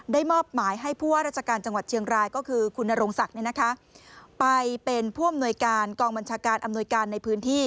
มอบหมายให้ผู้ว่าราชการจังหวัดเชียงรายก็คือคุณนรงศักดิ์ไปเป็นผู้อำนวยการกองบัญชาการอำนวยการในพื้นที่